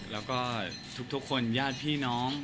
แล้วก็ทุกคนญาติพี่น้อง